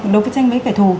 đấu tranh với kẻ thù